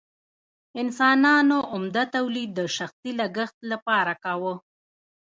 انسانانو عمده تولید د شخصي لګښت لپاره کاوه.